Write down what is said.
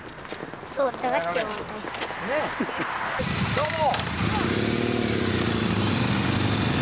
どうも！